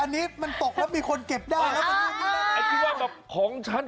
มีเพียงอันเดียวที่เป็นเจ้าข่อ